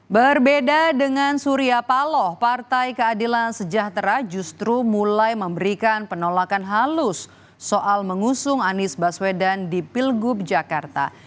berbeda dengan surya paloh partai keadilan sejahtera justru mulai memberikan penolakan halus soal mengusung anies baswedan di pilgub jakarta